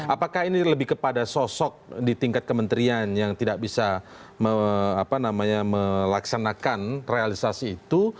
apakah ini lebih kepada sosok di tingkat kementerian yang tidak bisa melaksanakan realisasi itu